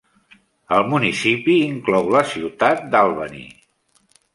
El municipi inclou la ciutat d'Albany.